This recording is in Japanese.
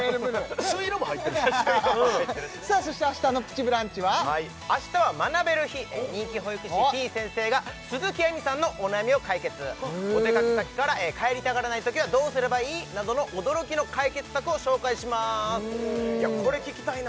朱色も入ってるさあそして明日の「プチブランチ」は明日は学べる日人気保育士てぃ先生が鈴木亜美さんのお悩みを解決お出かけ先から帰りたがらない時はどうすればいい？などの驚きの解決策を紹介しまーすいやこれ聞きたいな